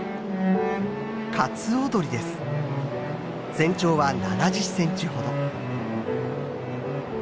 全長は７０センチほど。